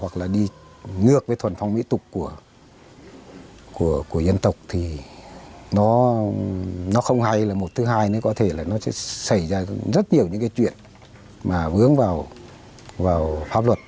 cái chuyện mà vướng vào pháp luật